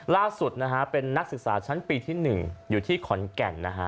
ล่าสุดนะฮะเป็นนักศึกษาชั้นปีที่๑อยู่ที่ขอนแก่นนะฮะ